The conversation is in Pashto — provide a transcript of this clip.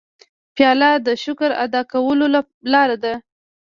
پیاله د شکر ادا کولو لاره ده.